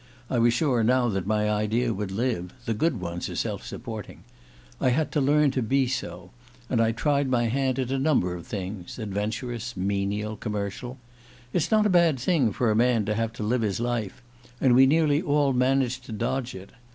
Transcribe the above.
I was sure now that my idea would live: the good ones are self supporting. I had to learn to be so; and I tried my hand at a number of things ... adventurous, menial, commercial. ... It's not a bad thing for a man to have to live his life and we nearly all manage to dodge it.